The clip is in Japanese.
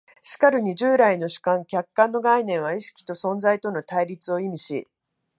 しかるに従来の主観・客観の概念は意識と存在との対立を意味し、